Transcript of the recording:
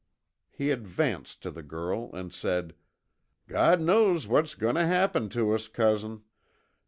He advanced to the girl and said, "God knows what's goin' tuh happen to us, Cousin."